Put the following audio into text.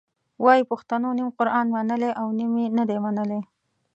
وایي پښتنو نیم قرآن منلی او نیم یې نه دی منلی.